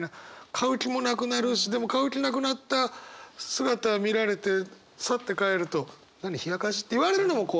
買う気もなくなるしでも買う気なくなった姿見られてサッて帰ると「何？冷やかし？」って言われるのも怖い。